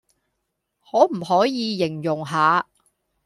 可唔可以形容下